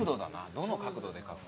どの角度で描くか。